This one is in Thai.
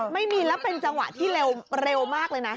ไม่มีแล้วเป็นจังหวะที่เร็วมากเลยนะ